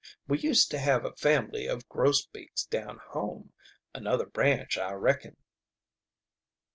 We used to have a family of Grosbeaks down home. Another branch, I reckon."